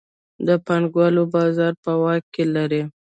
دا پانګوال بازار په واک کې لري